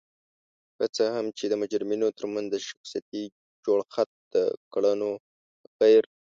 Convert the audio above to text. که څه هم چې د مجرمینو ترمنځ د شخصیتي جوړخت د کړنو غیر